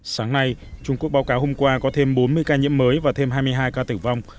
sáng nay trung quốc báo cáo hôm qua có thêm bốn mươi ca nhiễm mới và thêm hai mươi hai ca tử vong